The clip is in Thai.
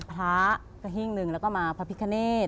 พระก็หิ้งหนึ่งแล้วก็มาพระพิคเนต